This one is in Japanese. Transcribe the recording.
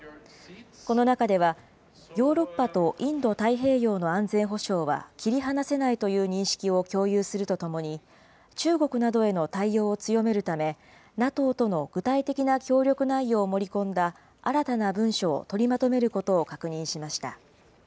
この中では、ヨーロッパとインド太平洋の安全保障は切り離せないという認識を共有するとともに、中国などへの対応を強めるため、ＮＡＴＯとの具体的な協力内容を盛り込んだ新たな文書を取りまとめることを確認しました。